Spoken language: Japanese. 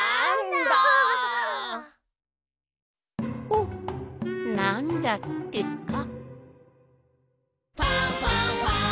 ほっなんだってか。